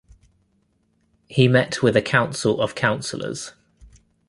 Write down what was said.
He met with a council of councilors.